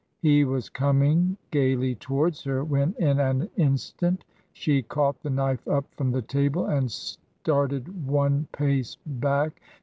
... He was coming gayly towards her, when, in an instant, she caught the knife up from the table and started one pace back.